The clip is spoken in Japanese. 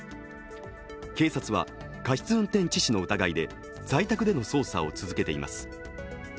警察は過失運転致死の疑いで在宅での捜査を続けています。